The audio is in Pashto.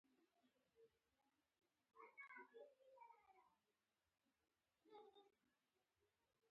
انار د افغانستان د طبیعت د ښکلا برخه ده.